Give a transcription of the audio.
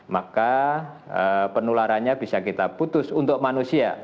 maka penularannya bisa kita putus untuk manusia